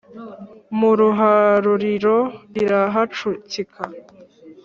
Mu ruharuriro irahacukika,